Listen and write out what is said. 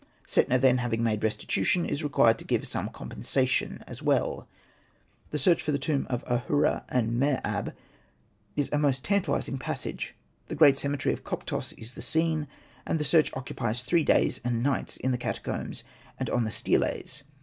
Setna then having made restitution, is required to give some compensation as well. The search for the tomb of Ahura and Mer ab is a most tantalising passage. The great cemetery of Koptos is the scene, and the search occupies three days and nights in the catacombs and on the steles.